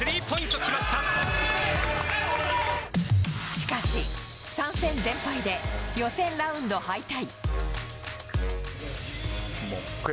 しかし、３戦全敗で予選ラウンド敗退。